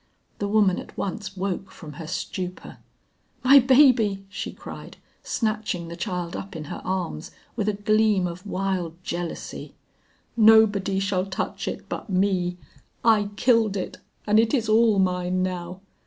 The woman at once woke from her stupor. "My baby!" she cried, snatching the child up in her arms with a gleam of wild jealousy; "nobody shall touch it but me. I killed it and it is all mine now!"